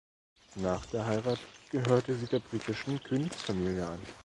Nach der Heirat gehörte sie der britischen Königsfamilie an.